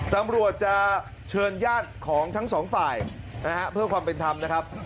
ตำรวจจะเชิญญาติของทั้งสองฝ่ายนะฮะเพื่อความเป็นธรรมนะครับ